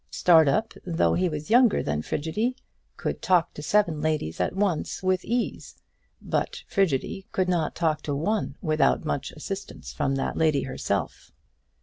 Startup, though he was younger than Frigidy, could talk to seven ladies at once with ease, but Frigidy could not talk to one without much assistance from that lady herself.